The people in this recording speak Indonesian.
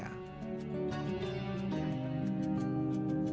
tidak ada yang bisa menghargai